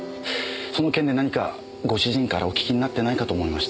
その件で何かご主人からお聞きになってないかと思いまして。